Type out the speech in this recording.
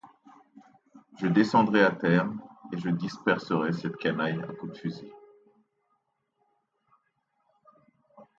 Je descendrais à terre et je disperserais cette canaille à coups de fusil.